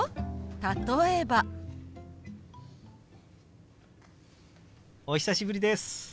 例えば。お久しぶりです。